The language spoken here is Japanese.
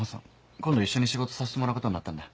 今度一緒に仕事させてもらう事になったんだ。